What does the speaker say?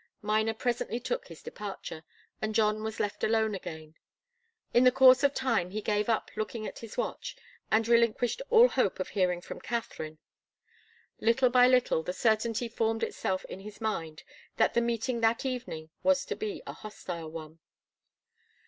Miner presently took his departure, and John was left alone again. In the course of time he gave up looking at his watch, and relinquished all hope of hearing from Katharine. Little by little, the certainty formed itself in his mind that the meeting that evening was to be a hostile one.